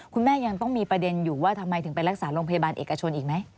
คุณแม่ยังต้องมีประเด็นอยู่ว่าทำไมถึงไปรักษาโรงพยาบาลเอกชนอีกไหม